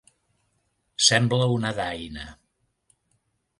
Sembla una daina.